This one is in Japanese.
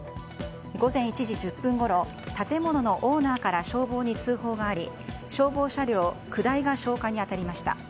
午前１時１０分ごろ建物のオーナーから消防に通報があり消防車両９台が消火に当たりました。